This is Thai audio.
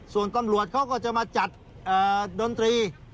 ส่วนตำรวจเขาก็จะมาจัดดนตรี